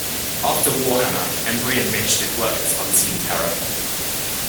After Warhammer, Embury and Mitch did work as Unseen Terror.